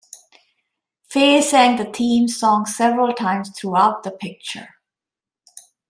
Fay sang the theme song several times throughout the picture.